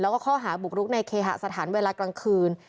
แล้วก็ข้อหาบุกรุกในเคหสถานเวลากลางคืน